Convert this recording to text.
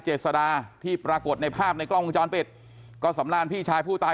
เจษดาที่ปรากฏในภาพในกล้องวงจรปิดก็สำราญพี่ชายผู้ตาย